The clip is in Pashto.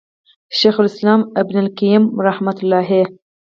شيخ الإسلام ابن القيّم رحمه الله